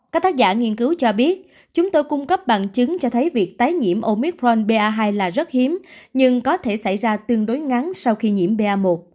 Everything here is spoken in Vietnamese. các tác giả nghiên cứu cho biết chúng tôi cung cấp bằng chứng cho thấy việc tái nhiễm omicron ba hai là rất hiếm nhưng có thể xảy ra tương đối ngắn sau khi nhiễm ba